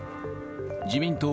自民党